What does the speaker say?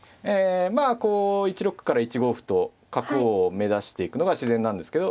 まあこう１六歩から１五歩と角を目指していくのが自然なんですけど。